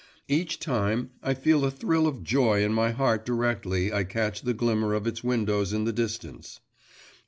… Each time I feel a thrill of joy in my heart directly I catch the glimmer of its windows in the distance.